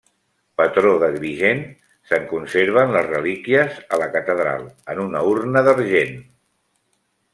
Patró d'Agrigent, se'n conserven les relíquies a la catedral, en una urna d'argent.